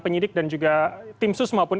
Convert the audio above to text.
penyidik dan juga tim sus maupun